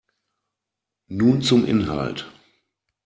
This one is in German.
Nun zum Inhalt.